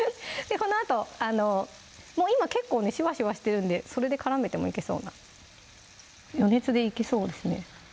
このあともう今結構ねシュワシュワしてるんでそれで絡めてもいけそうな余熱でいけそうですね